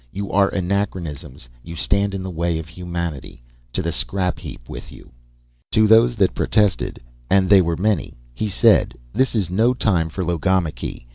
"You are anachronisms. You stand in the way of humanity. To the scrap heap with you." To those that protested, and they were many, he said: "This is no time for logomachy.